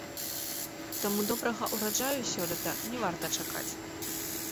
Таму добрага ўраджаю сёлета не варта чакаць.